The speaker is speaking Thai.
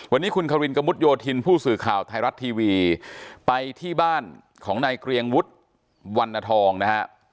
วันนี้คุณควินกระมุดโยธินผู้สื่อข่าวไทยรัฐทีวีไปที่บ้านของนายเกรียงวุฒิวันนทองนะฮะ